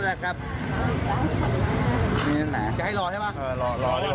จะให้รอใช่ไหมเออรอรอรอเพราะว่าคนเก็บเยอะแรง